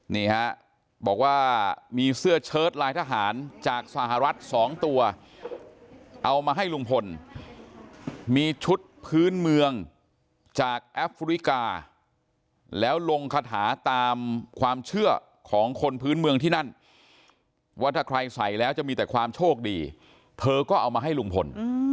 นี่ฮะบอกว่ามีเสื้อเชิดลายทหารจากสหรัฐสองตัวเอามาให้ลุงพลมีชุดพื้นเมืองจากแอฟริกาแล้วลงคาถาตามความเชื่อของคนพื้นเมืองที่นั่นว่าถ้าใครใส่แล้วจะมีแต่ความโชคดีเธอก็เอามาให้ลุงพล